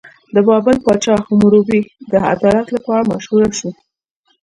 د بابل پاچا حموربي د عدالت لپاره مشهور شو.